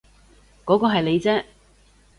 嗰個係你啫